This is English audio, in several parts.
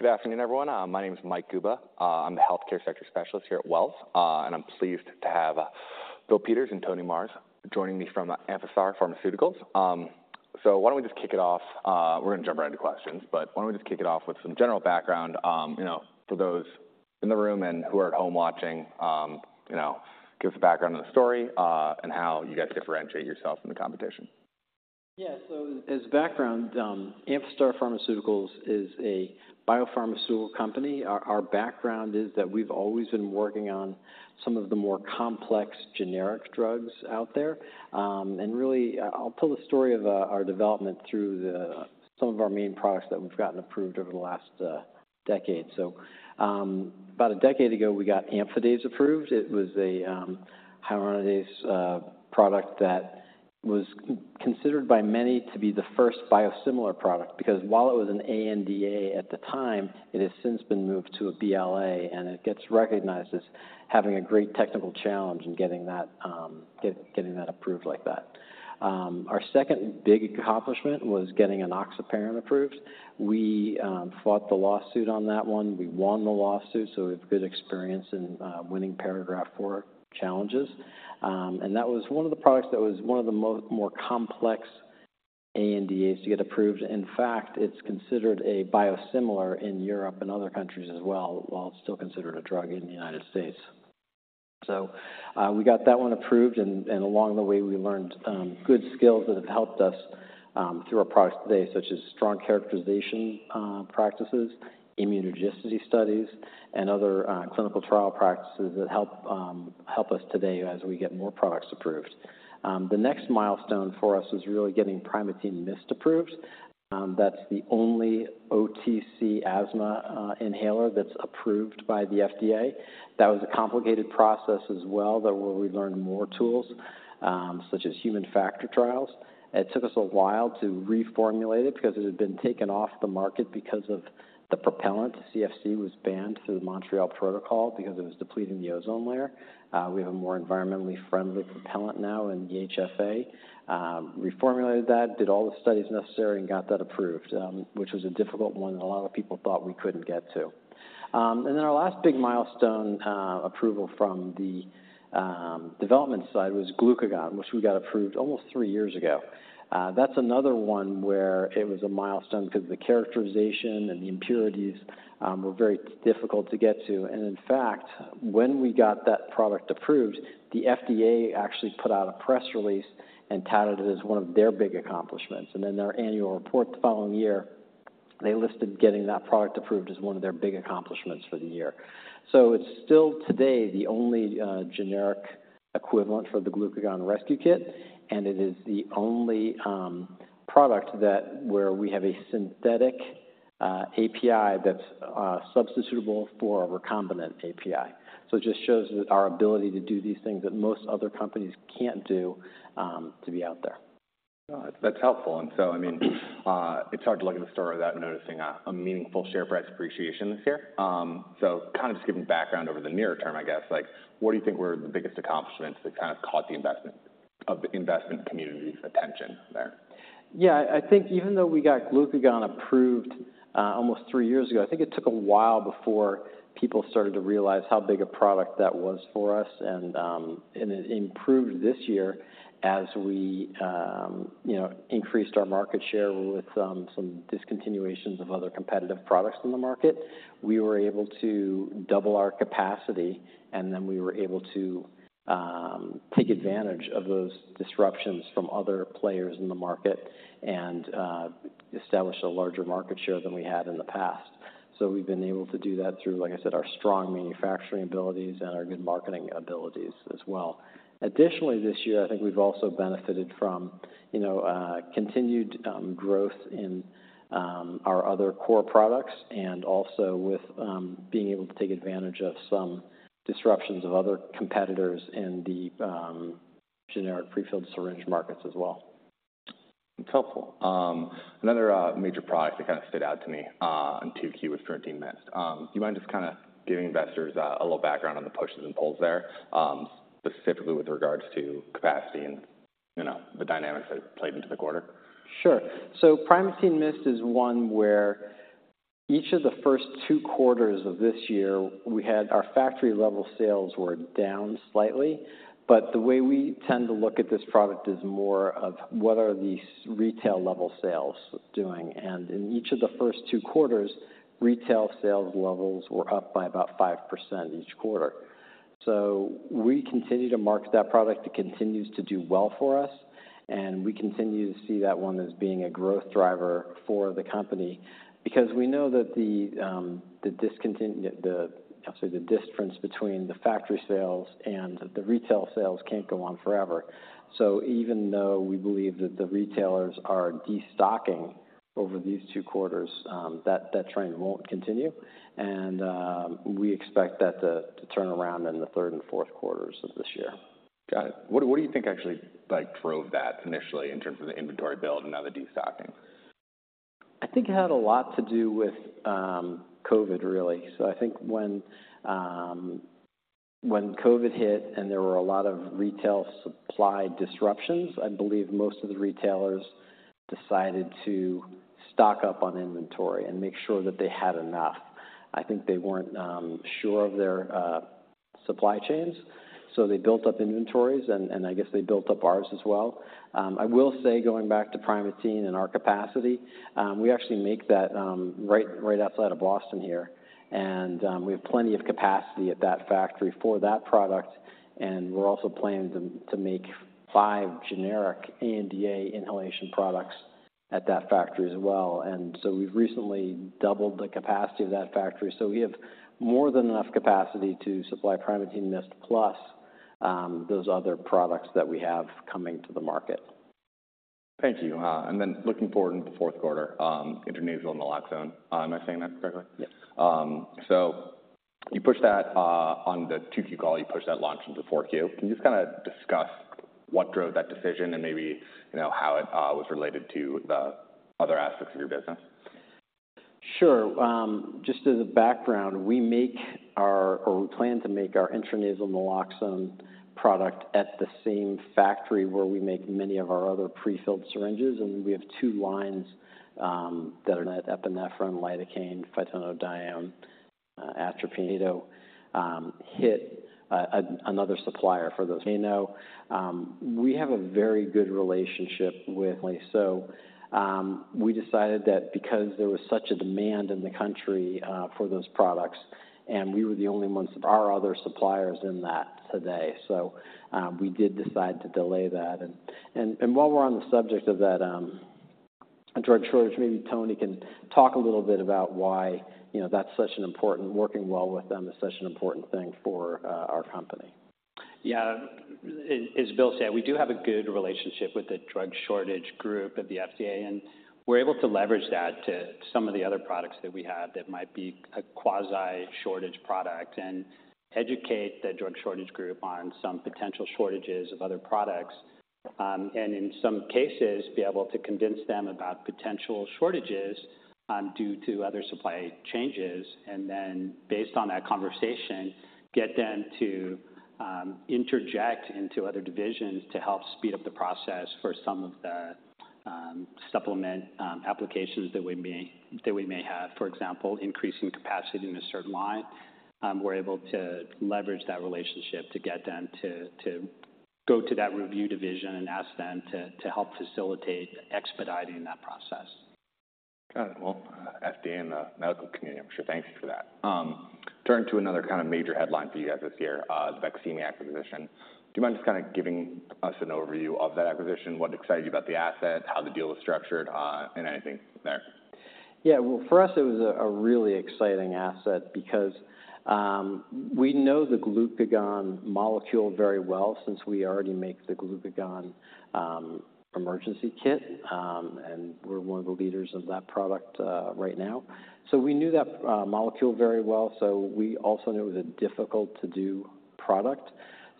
Good afternoon, everyone. My name is Mike Guba. I'm the healthcare sector specialist here at Wells, and I'm pleased to have Bill Peters and Tony Marrs joining me from Amphastar Pharmaceuticals. So why don't we just kick it off? We're gonna jump right into questions, but why don't we just kick it off with some general background, you know, for those in the room and who are at home watching, you know, give us a background on the story, and how you guys differentiate yourselves from the competition. Yeah. So as background, Amphastar Pharmaceuticals is a biopharmaceutical company. Our background is that we've always been working on some of the more complex generic drugs out there. And really, I'll tell the story of our development through some of our main products that we've gotten approved over the last decade. So, about a decade ago, we got Amphadase approved. It was a hyaluronidase product that was considered by many to be the first biosimilar product, because while it was an ANDA at the time, it has since been moved to a BLA, and it gets recognized as having a great technical challenge in getting that getting that approved like that. Our second big accomplishment was getting enoxaparin approved. We fought the lawsuit on that one. We won the lawsuit, so we have good experience in winning Paragraph IV challenges. And that was one of the products that was one of the more complex ANDAs to get approved. In fact, it's considered a biosimilar in Europe and other countries as well, while it's still considered a drug in the United States. So, we got that one approved, and along the way, we learned good skills that have helped us through our products today, such as strong characterization practices, immunogenicity studies, and other clinical trial practices that help us today as we get more products approved. The next milestone for us was really getting Primatene Mist approved. That's the only OTC asthma inhaler that's approved by the FDA. That was a complicated process as well, though, where we learned more tools, such as human factors studies. It took us a while to reformulate it, because it had been taken off the market because of the propellant. CFC was banned through the Montreal Protocol because it was depleting the ozone layer. We have a more environmentally friendly propellant now in HFA. Reformulated that, did all the studies necessary and got that approved, which was a difficult one that a lot of people thought we couldn't get to. And then our last big milestone, approval from the development side was glucagon, which we got approved almost three years ago. That's another one where it was a milestone because the characterization and the impurities were very difficult to get to. In fact, when we got that product approved, the FDA actually put out a press release and touted it as one of their big accomplishments. In their annual report the following year, they listed getting that product approved as one of their big accomplishments for the year. So it's still today the only generic equivalent for the Glucagon rescue kit, and it is the only product that where we have a synthetic API that's substitutable for a recombinant API. So it just shows our ability to do these things that most other companies can't do, to be out there. That's helpful. And so, I mean, it's hard to look at the story without noticing a meaningful share price appreciation this year. So kind of just giving background over the near term, I guess, like, what do you think were the biggest accomplishments that kind of caught the investment community's attention there? Yeah, I think even though we got Glucagon approved almost three years ago, I think it took a while before people started to realize how big a product that was for us. And it improved this year as we, you know, increased our market share with some discontinuations of other competitive products in the market. We were able to double our capacity, and then we were able to take advantage of those disruptions from other players in the market and establish a larger market share than we had in the past. So we've been able to do that through, like I said, our strong manufacturing abilities and our good marketing abilities as well. Additionally, this year, I think we've also benefited from, you know, continued growth in our other core products and also with being able to take advantage of some disruptions of other competitors in the generic pre-filled syringe markets as well. That's helpful. Another major product that kind of stood out to me on Q2 was Primatene Mist. Do you mind just kind of giving investors a little background on the pushes and pulls there, specifically with regards to capacity and, you know, the dynamics that played into the quarter? Sure. So Primatene Mist is one where each of the first two quarters of this year, we had our factory-level sales were down slightly, but the way we tend to look at this product is more of what are the retail-level sales doing? And in each of the first two quarters, retail sales levels were up by about 5% each quarter. So we continue to market that product. It continues to do well for us, and we continue to see that one as being a growth driver for the company, because we know that the difference between the factory sales and the retail sales can't go on forever. So even though we believe that the retailers are destocking over these two quarters, that trend won't continue, and we expect that to turn around in the third and fourth quarters of this year. Got it. What, what do you think actually, like, drove that initially in terms of the inventory build and now the destocking? I think it had a lot to do with COVID, really. So I think when COVID hit and there were a lot of retail supply disruptions, I believe most of the retailers decided to stock up on inventory and make sure that they had enough. I think they weren't sure of their supply chains, so they built up inventories, and I guess they built up ours as well. I will say, going back to Primatene and our capacity, we actually make that right outside of Boston here, and we have plenty of capacity at that factory for that product, and we're also planning to make five generic ANDA inhalation products at that factory as well. And so we've recently doubled the capacity of that factory. We have more than enough capacity to supply Primatene Mist, plus those other products that we have coming to the market. Thank you. And then looking forward into the fourth quarter, Intranasal Naloxone. Am I saying that correctly? Yes. So you pushed that on the 2Q call, you pushed that launch into 4Q. Can you just kind of discuss what drove that decision and maybe, you know, how it was related to the other aspects of your business? Sure. Just as a background, we make our, or we plan to make our Intranasal Naloxone product at the same factory where we make many of our other prefilled syringes, and we have two lines that are dedicated to epinephrine, lidocaine, phenylephrine, atropine, another supplier for those. We know, we have a very good relationship with Lilly, so, we decided that because there was such a demand in the country for those products and we were the only ones, our other suppliers aren't today. So, we did decide to delay that. And while we're on the subject of that drug shortage, maybe Tony can talk a little bit about why, you know, that's such an important thing, working well with them is such an important thing for our company. Yeah. As Bill said, we do have a good relationship with the drug shortage group at the FDA, and we're able to leverage that to some of the other products that we have that might be a quasi-shortage product and educate the drug shortage group on some potential shortages of other products. In some cases, be able to convince them about potential shortages due to other supply changes, and then based on that conversation, get them to interject into other divisions to help speed up the process for some of the supplement applications that we may have. For example, increasing capacity in a certain line. We're able to leverage that relationship to get them to go to that review division and ask them to help facilitate expediting that process. Got it. Well, FDA and the medical community, I'm sure, thank you for that. Turning to another kind of major headline for you guys this year, the Baqsimi acquisition. Do you mind just kind of giving us an overview of that acquisition, what excited you about the asset, how the deal was structured, and anything there? Yeah. Well, for us, it was a really exciting asset because we know the Glucagon molecule very well since we already make the Glucagon Emergency Kit, and we're one of the leaders of that product right now. So we knew that molecule very well, so we also knew it was a difficult-to-do product.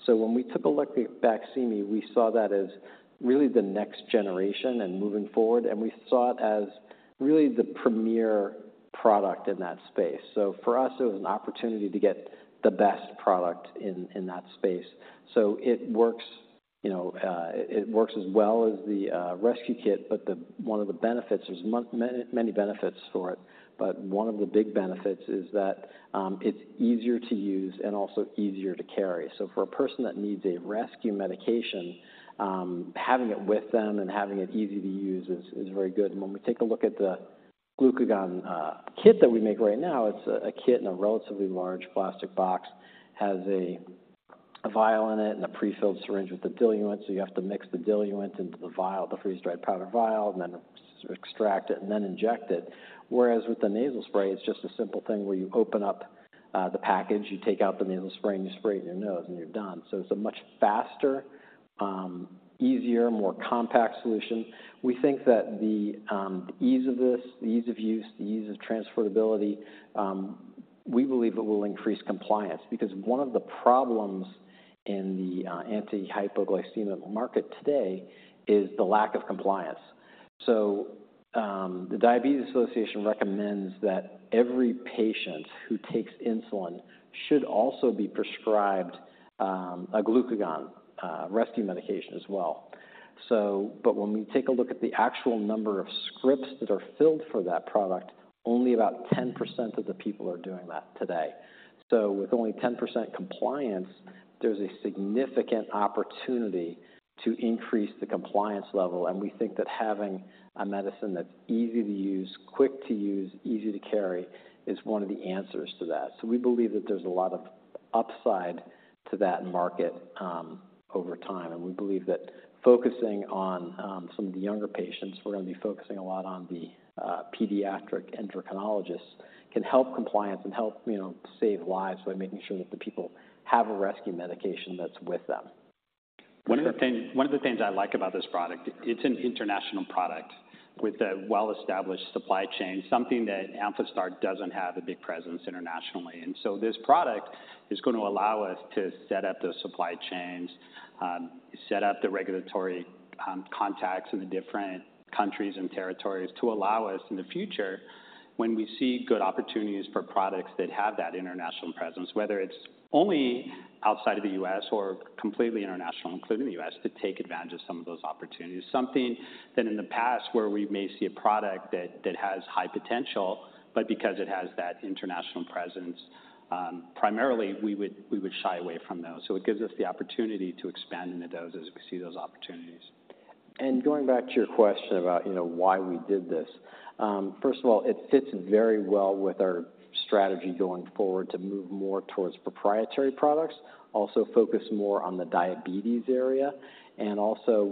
So when we took a look at Baqsimi, we saw that as really the next generation and moving forward, and we saw it as really the premier product in that space. So for us, it was an opportunity to get the best product in that space. So it works, you know, it works as well as the rescue kit, but the one of the benefits, there's many benefits for it, but one of the big benefits is that, it's easier to use and also easier to carry. So for a person that needs a rescue medication, having it with them and having it easy to use is very good. And when we take a look at the Glucagon kit that we make right now, it's a kit in a relatively large plastic box, has a vial in it and a prefilled syringe with a diluent. So you have to mix the diluent into the vial, the freeze-dried powder vial, and then extract it and then inject it. Whereas with the nasal spray, it's just a simple thing where you open up the package, you take out the nasal spray, and you spray it in your nose, and you're done. So it's a much faster, easier, more compact solution. We think that the ease of this, the ease of use, the ease of transferability, we believe it will increase compliance, because one of the problems in the anti-hypoglycemia market today is the lack of compliance. So the Diabetes Association recommends that every patient who takes insulin should also be prescribed a Glucagon rescue medication as well. So, but when we take a look at the actual number of scripts that are filled for that product, only about 10% of the people are doing that today. So with only 10% compliance, there's a significant opportunity to increase the compliance level, and we think that having a medicine that's easy to use, quick to use, easy to carry, is one of the answers to that. So we believe that there's a lot of upside to that market, over time, and we believe that focusing on some of the younger patients, we're going to be focusing a lot on the pediatric endocrinologists, can help compliance and help, you know, save lives by making sure that the people have a rescue medication that's with them. One of the things I like about this product, it's an international product. With a well-established supply chain, something that Amphastar doesn't have a big presence internationally. And so this product is going to allow us to set up those supply chains, set up the regulatory contacts in the different countries and territories to allow us in the future, when we see good opportunities for products that have that international presence, whether it's only outside of the U.S. or completely international, including the U.S., to take advantage of some of those opportunities. Something that in the past, when we may see a product that has high potential, but because it has that international presence, primarily, we would shy away from those. So it gives us the opportunity to expand into those as we see those opportunities. Going back to your question about, you know, why we did this. First of all, it fits very well with our strategy going forward to move more towards proprietary products, also focus more on the diabetes area.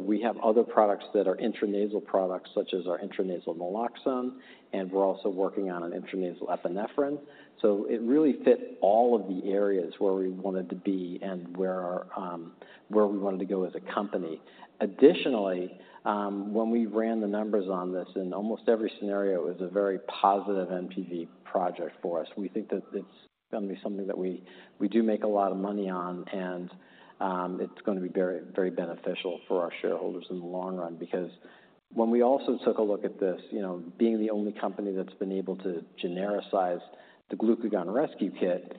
We have other products that are intranasal products, such as our Intranasal Naloxone, and we're also working on an intranasal epinephrine. So it really fit all of the areas where we wanted to be and where our, where we wanted to go as a company. Additionally, when we ran the numbers on this, in almost every scenario, it was a very positive NPV project for us. We think that it's going to be something that we, we do make a lot of money on, and, it's going to be very, very beneficial for our shareholders in the long run. Because when we also took a look at this, you know, being the only company that's been able to genericize the Glucagon rescue kit,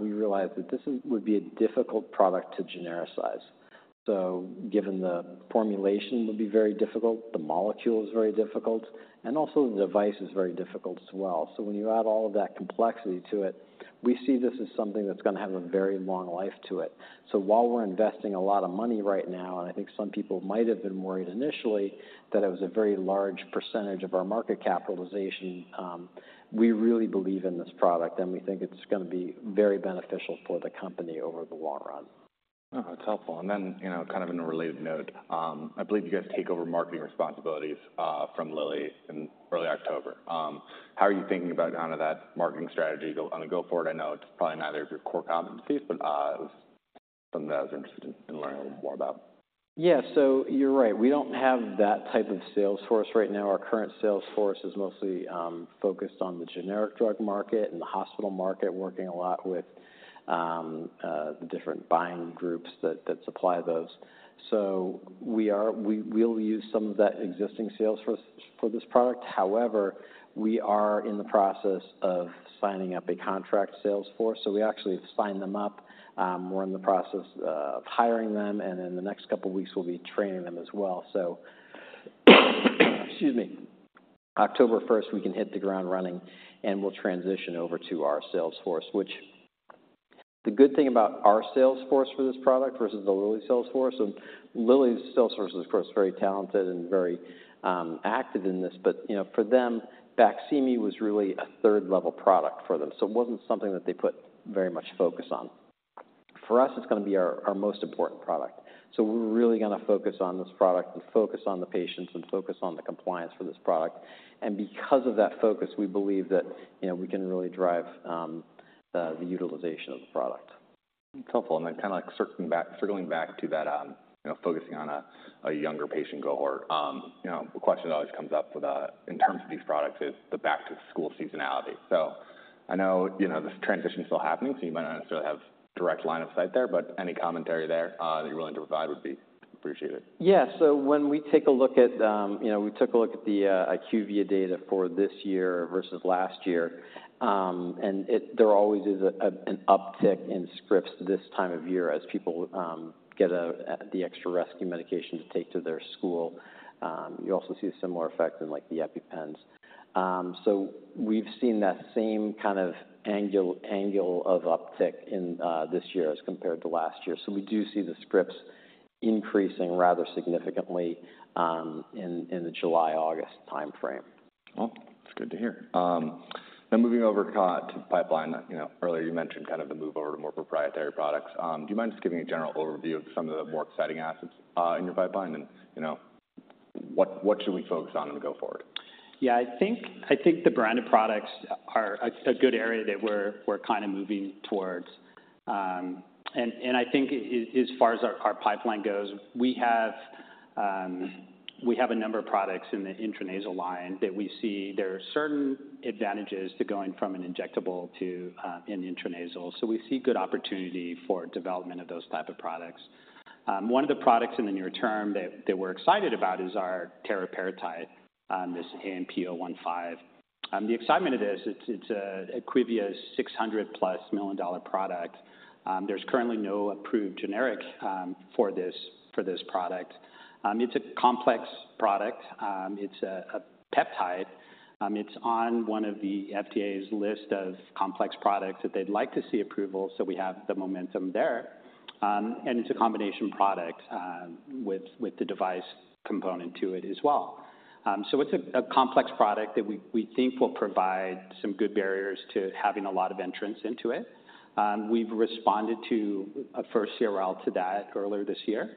we realized that this would be a difficult product to genericize. So given the formulation would be very difficult, the molecule is very difficult, and also the device is very difficult as well. So when you add all of that complexity to it, we see this as something that's going to have a very long life to it. So while we're investing a lot of money right now, and I think some people might have been worried initially that it was a very large percentage of our market capitalization, we really believe in this product, and we think it's going to be very beneficial for the company over the long run. That's helpful. And then, you know, kind of in a related note, I believe you guys take over marketing responsibilities from Lilly in early October. How are you thinking about kind of that marketing strategy go, on a go forward? I know it's probably neither of your core competencies, but something that I was interested in, in learning a little more about. Yeah. So you're right. We don't have that type of sales force right now. Our current sales force is mostly focused on the generic drug market and the hospital market, working a lot with the different buying groups that supply those. So we'll use some of that existing sales force for this product. However, we are in the process of signing up a contract sales force. So we actually signed them up. We're in the process of hiring them, and in the next couple of weeks, we'll be training them as well. So, excuse me, October first, we can hit the ground running, and we'll transition over to our sales force. While the good thing about our sales force for this product versus the Lilly sales force, and Lilly's sales force is, of course, very talented and very active in this, but, you know, for them, Baqsimi was really a third-level product for them, so it wasn't something that they put very much focus on. For us, it's going to be our most important product. So we're really going to focus on this product and focus on the patients and focus on the compliance for this product. And because of that focus, we believe that, you know, we can really drive the utilization of the product. That's helpful. And then kind of like circling back, circling back to that, you know, focusing on a younger patient cohort. You know, the question that always comes up with, in terms of these products is the back-to-school seasonality. So I know, you know, this transition is still happening, so you might not necessarily have direct line of sight there, but any commentary there that you're willing to provide would be appreciated. Yeah. So when we take a look at... You know, we took a look at the IQVIA data for this year versus last year. And it—there always is an uptick in scripts this time of year as people get the extra rescue medication to take to their school. You also see a similar effect in, like, the EpiPens. So we've seen that same kind of angle of uptick in this year as compared to last year. So we do see the scripts increasing rather significantly in the July, August time frame. Well, that's good to hear. Then moving over to pipeline. You know, earlier you mentioned kind of the move over to more proprietary products. Do you mind just giving a general overview of some of the more exciting assets in your pipeline? And, you know, what, what should we focus on in the go forward? Yeah, I think the branded products are a good area that we're kind of moving towards. And I think as far as our pipeline goes, we have a number of products in the intranasal line that we see there are certain advantages to going from an injectable to an intranasal. So we see good opportunity for development of those type of products. One of the products in the near term that we're excited about is our teriparatide, this AMP-015. The excitement of this, it's Eli Lilly's $600+ million product. There's currently no approved generic for this product. It's a complex product. It's a peptide. It's on one of the FDA's list of complex products that they'd like to see approval, so we have the momentum there. And it's a combination product with the device component to it as well. So it's a complex product that we think will provide some good barriers to having a lot of entrants into it. We've responded to a first CRL to that earlier this year,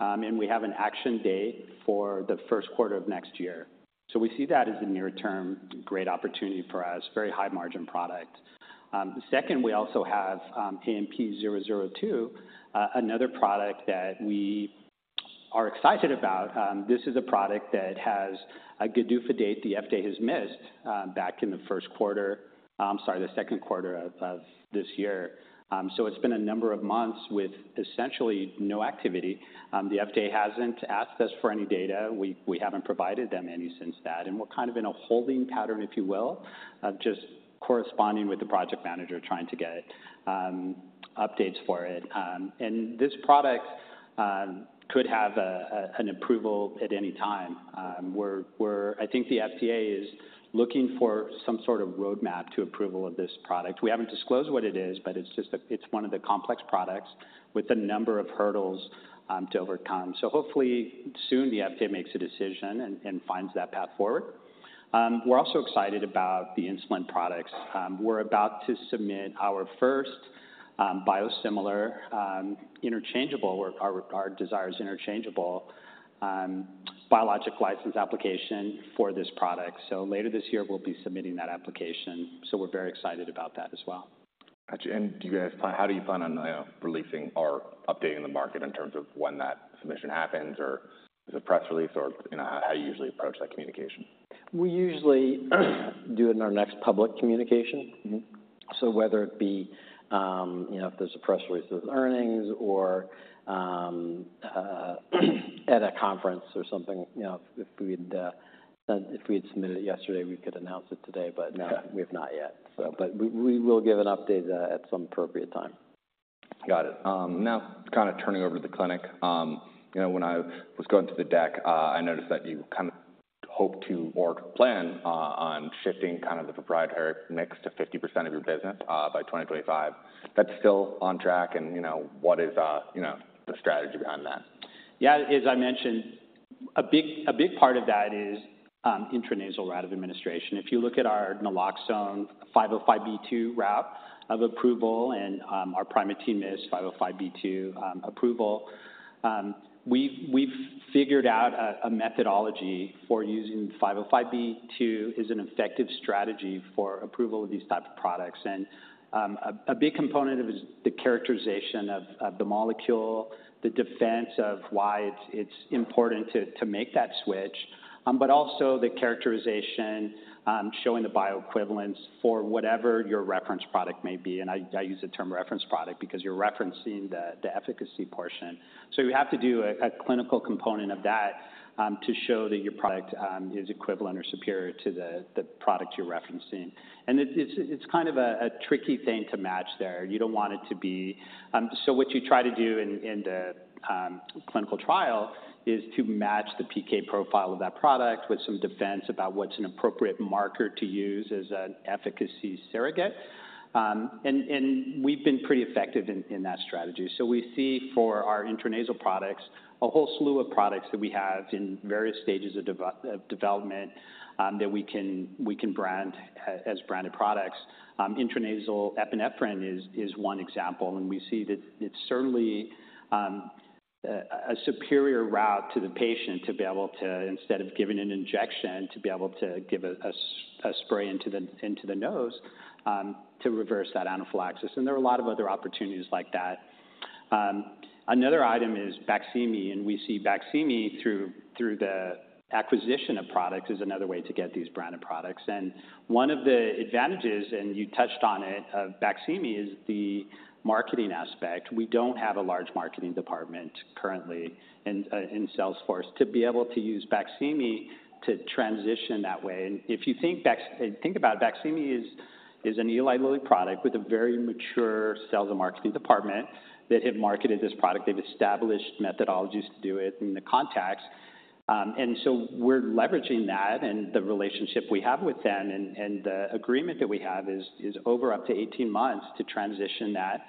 and we have an action date for the first quarter of next year. So we see that as a near-term great opportunity for us, very high-margin product. Second, we also have AMP-002, another product that we are excited about. This is a product that has a GDUFA date the FDA has missed back in the first quarter, the second quarter of this year. So it's been a number of months with essentially no activity. The FDA hasn't asked us for any data. We haven't provided them any since that, and we're kind of in a holding pattern, if you will, of just corresponding with the project manager, trying to get updates for it. And this product could have an approval at any time. We're I think the FDA is looking for some sort of roadmap to approval of this product. We haven't disclosed what it is, but it's just a... It's one of the complex products with a number of hurdles to overcome. So hopefully soon the FDA makes a decision and finds that path forward. We're also excited about the insulin products. We're about to submit our first biosimilar interchangeable, where our desire is interchangeable biologic license application for this product. So later this year, we'll be submitting that application, so we're very excited about that as well. Got you. And how do you plan on releasing or updating the market in terms of when that submission happens, or is it a press release, or, you know, how do you usually approach that communication? We usually do it in our next public communication. Mm-hmm. So whether it be, you know, if there's a press release with earnings or, at a conference or something. You know, if we had submitted it yesterday, we could announce it today, but- Okay. No, we have not yet. So, but we will give an update at some appropriate time. Got it. Now kind of turning over to the clinic. You know, when I was going through the deck, I noticed that you kind of hope to, or plan, on shifting kind of the proprietary mix to 50% of your business, by 2025. That's still on track, and, you know, what is, you know, the strategy behind that? Yeah, as I mentioned, a big part of that is intranasal route of administration. If you look at our Naloxone 505(b)(2) route of approval and our Primatene Mist 505(b)(2) approval, we've figured out a methodology for using 505(b)(2) as an effective strategy for approval of these type of products. And a big component of is the characterization of the molecule, the defense of why it's important to make that switch, but also the characterization showing the bioequivalence for whatever your reference product may be. And I use the term reference product because you're referencing the efficacy portion. So you have to do a clinical component of that, to show that your product is equivalent or superior to the product you're referencing. It's kind of a tricky thing to match there. You don't want it to be... So what you try to do in the clinical trial is to match the PK profile of that product with some defense about what's an appropriate marker to use as an efficacy surrogate. And we've been pretty effective in that strategy. So we see for our intranasal products, a whole slew of products that we have in various stages of development, that we can brand as branded products. Intranasal epinephrine is one example, and we see that it's certainly a superior route to the patient to be able to, instead of giving an injection, to be able to give a spray into the nose to reverse that anaphylaxis. And there are a lot of other opportunities like that. Another item is Baqsimi, and we see Baqsimi through the acquisition of products as another way to get these branded products. And one of the advantages, and you touched on it, of Baqsimi, is the marketing aspect. We don't have a large marketing department currently in sales force. To be able to use Baqsimi to transition that way... And if you think—Think about it, Baqsimi is an Eli Lilly product with a very mature sales and marketing department that have marketed this product. They've established methodologies to do it and the contacts. And so we're leveraging that and the relationship we have with them, and the agreement that we have is over up to 18 months to transition that.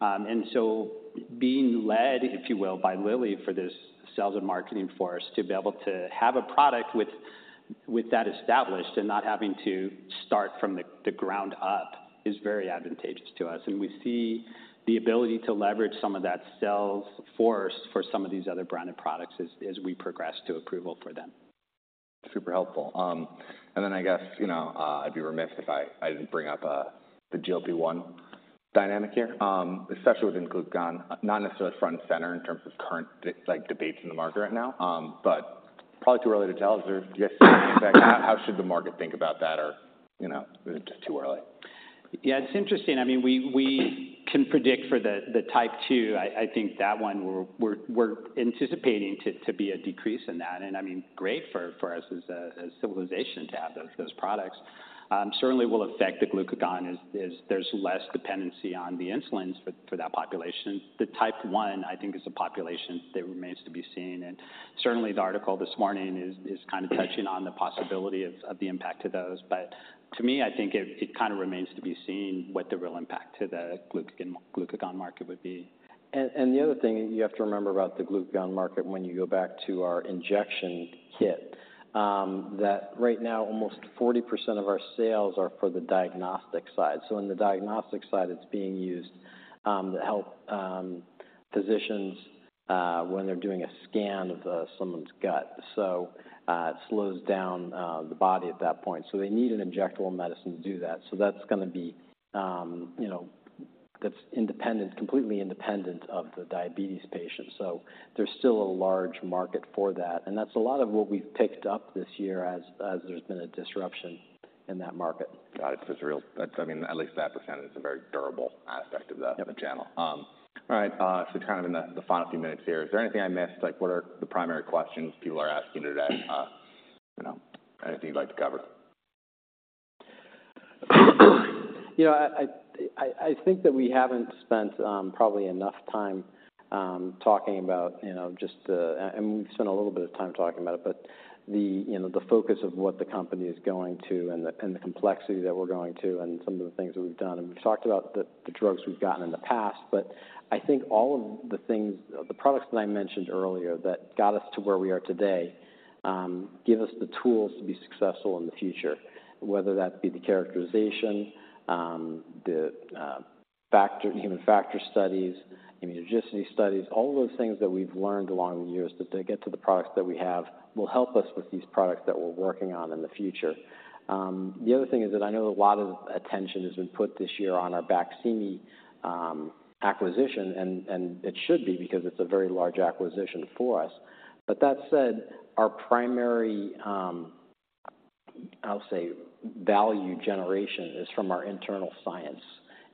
And so being led, if you will, by Lilly for this sales and marketing force, to be able to have a product with that established and not having to start from the ground up, is very advantageous to us. And we see the ability to leverage some of that sales force for some of these other branded products as we progress to approval for them. Super helpful. Then I guess, you know, I'd be remiss if I didn't bring up the GLP-1 dynamic here, especially within Glucagon. Not necessarily front and center in terms of current, like, debates in the market right now, but probably too early to tell. How should the market think about that? Or, you know, is it too early? Yeah, it's interesting. I mean, we can predict for the Type 2, I think that one, we're anticipating to be a decrease in that. And I mean, great for us as a civilization to have those products. Certainly will affect the Glucagon, as there's less dependency on the insulins for that population. The Type 1, I think, is a population that remains to be seen. And certainly, the article this morning is kind of touching on the possibility of the impact to those. But to me, I think it kind of remains to be seen what the real impact to the Glucagon market would be. And the other thing you have to remember about the Glucagon market when you go back to our injection kit, that right now almost 40% of our sales are for the diagnostic side. So in the diagnostic side, it's being used to help physicians when they're doing a scan of someone's gut. So it slows down the body at that point. So they need an injectable medicine to do that. So that's gonna be, you know, that's independent, completely independent of the diabetes patient. So there's still a large market for that, and that's a lot of what we've picked up this year as there's been a disruption in that market. Got it. There's. That's, I mean, at least that percentage is a very durable aspect of the- Yeah -channel. All right, so kind of in the final few minutes here, is there anything I missed? Like, what are the primary questions people are asking today? You know, anything you'd like to cover? You know, I think that we haven't spent probably enough time talking about, you know, just. And we've spent a little bit of time talking about it, but the, you know, the focus of what the company is going to, and the, and the complexity that we're going to, and some of the things that we've done. And we've talked about the drugs we've gotten in the past, but I think all of the things, the products that I mentioned earlier that got us to where we are today give us the tools to be successful in the future. Whether that be the characterization, the factor, human factor studies, immunogenicity studies, all those things that we've learned along the years that to get to the products that we have, will help us with these products that we're working on in the future. The other thing is that I know a lot of attention has been put this year on our Baqsimi acquisition, and it should be, because it's a very large acquisition for us. But that said, our primary, I'll say, value generation is from our internal science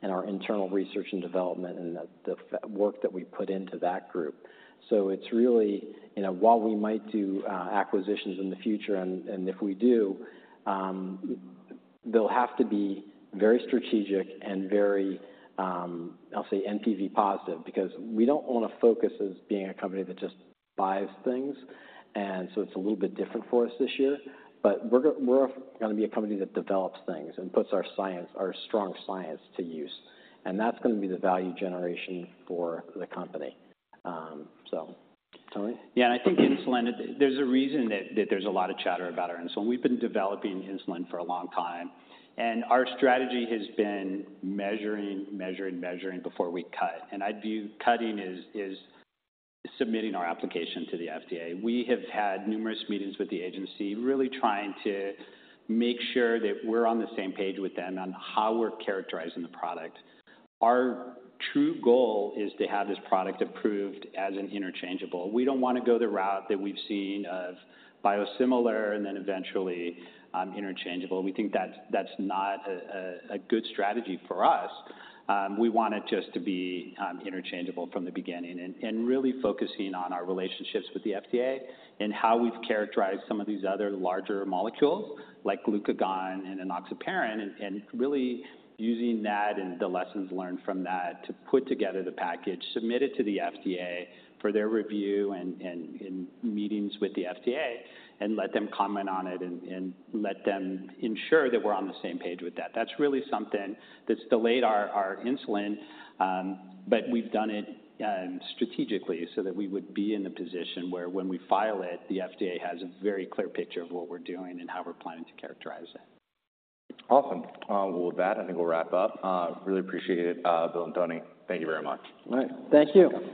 and our internal research and development, and the work that we put into that group. So it's really, you know, while we might do acquisitions in the future, and if we do, they'll have to be very strategic and very, I'll say, NPV positive, because we don't want to focus as being a company that just buys things, and so it's a little bit different for us this year. But we're gonna be a company that develops things and puts our science, our strong science, to use, and that's gonna be the value generation for the company. So, Tony? Yeah, and I think insulin, there's a reason that, that there's a lot of chatter about it. And so we've been developing insulin for a long time, and our strategy has been measuring, measuring, measuring before we cut, and I'd view cutting as, as submitting our application to the FDA. We have had numerous meetings with the agency, really trying to make sure that we're on the same page with them on how we're characterizing the product. Our true goal is to have this product approved as an interchangeable. We don't want to go the route that we've seen of biosimilar and then eventually, interchangeable. We think that's, that's not a, a, a good strategy for us. We want it just to be interchangeable from the beginning and really focusing on our relationships with the FDA and how we've characterized some of these other larger molecules, like Glucagon and enoxaparin. And really using that and the lessons learned from that to put together the package, submit it to the FDA for their review, and meetings with the FDA, and let them comment on it and let them ensure that we're on the same page with that. That's really something that's delayed our insulin, but we've done it strategically so that we would be in the position where when we file it, the FDA has a very clear picture of what we're doing and how we're planning to characterize it. Awesome. With that, I think we'll wrap up. Really appreciate it, Bill and Tony. Thank you very much. All right. Thank you.